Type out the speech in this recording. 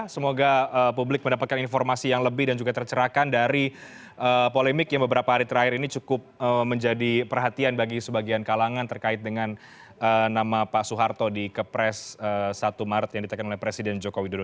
semoga publik mendapatkan informasi yang lebih dan juga tercerahkan dari polemik yang beberapa hari terakhir ini cukup menjadi perhatian bagi sebagian kalangan terkait dengan nama pak soeharto di kepres satu maret yang ditekan oleh presiden joko widodo